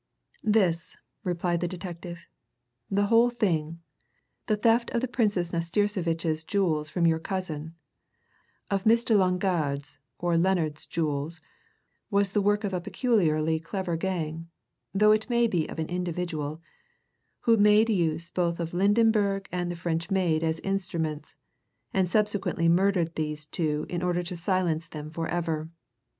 "This," replied the detective. "The whole thing, the theft of the Princess Nastirsevitch's jewels from your cousin, of Miss de Longarde's or Lennard's jewels, was the work of a peculiarly clever gang though it may be of an individual who made use of both Lydenberg and the French maid as instruments, and subsequently murdered those two in order to silence them forever.